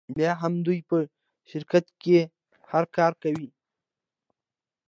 بیا هم دوی په شرکت کې هر کاره وي